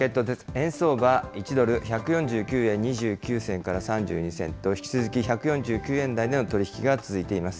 円相場、１ドル１４９円２９銭から３２銭と、引き続き１４９円台での取り引きが続いています。